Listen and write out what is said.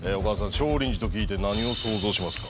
少林寺と聞いて何を想像しますか？